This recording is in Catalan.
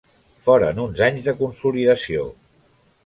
Foren uns anys de consolidació.